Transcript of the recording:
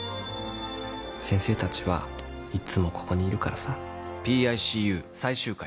先生たちはいつもここにいるからさ。